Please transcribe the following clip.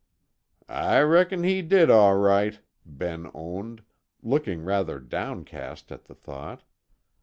"I reckon he did, all right," Ben owned, looking rather downcast at the thought.